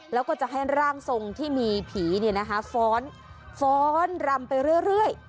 แล้วก็จะให้ร่างทรงที่มีผีฟ้อนฟ้อนรำไปเรื่อย